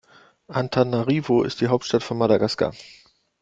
Antananarivo ist die Hauptstadt von Madagaskar.